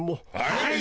はい。